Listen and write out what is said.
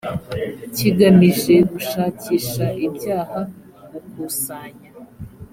kigamije gushakisha ibyaha gukusanya